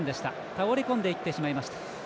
倒れ込んでいってしまいました。